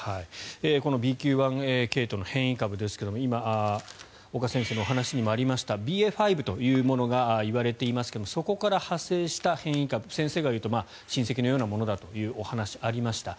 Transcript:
このＢＱ．１系統の変異株ですけれども今、岡先生のお話にもありましたＢＡ．５というものがいわれていますがそこから派生した変異株先生が言う親戚のようなものだという話がありました。